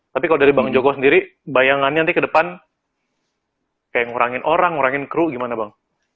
tapi kalau dari bang joko sendiri bayangannya nanti ke depan kayak ngurangin orang ngurangin crew gimana bang